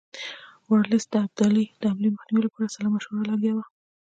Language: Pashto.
ورلسټ د ابدالي د حملې مخنیوي لپاره سلا مشورو لګیا وو.